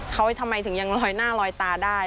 เขาทำไมถึงยังลอยหน้าลอยตาได้